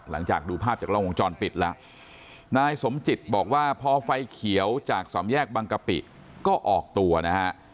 หลังจากดูภาพจากล้องวงจรปิดแล้วนายสมจิตบอกว่าพอไฟเขียวจากสำแยกบังกะปิก็ออกตัวนะฮะ